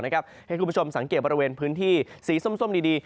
ให้คุณผู้ชมสังเกตบริเวณพื้นที่สีส้มดี